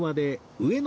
上野。